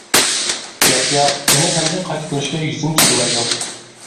ياق. ياق. ئۇنى ئەمدى قايتا كۆرۈشكە يۈزۈم چىدىمايدۇ!